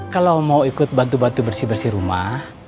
kalau mau ikut bantu bantu bersih bersih rumah